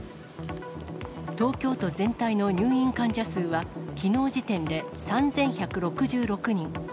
東京都全体の入院患者数はきのう時点で３１６６人。